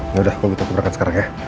yaudah aku pergi ke perangkat sekarang ya